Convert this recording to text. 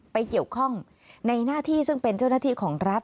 ไปเกี่ยวข้องในหน้าที่ซึ่งเป็นเจ้าหน้าที่ของรัฐ